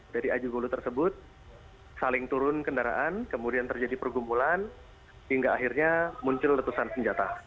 dari aju hulu tersebut saling turun kendaraan kemudian terjadi pergumpulan hingga akhirnya muncul letusan senjata